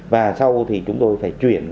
và sau thì chúng tôi phải chuyển